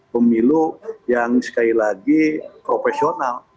pemilu yang sekali lagi profesional